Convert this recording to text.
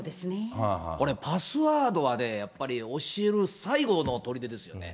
これ、パスワードはやっぱり教える、最後のとりでですよね。